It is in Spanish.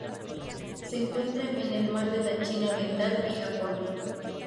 Se encuentra en el Mar de la China Oriental y Japón.